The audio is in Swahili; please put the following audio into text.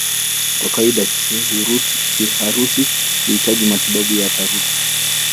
Kwa kawaida kiharusi huhitaji matibabu ya dharura.